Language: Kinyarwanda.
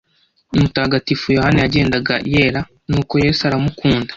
mutagatifu yohani yagendaga yera nuko yesu aramukunda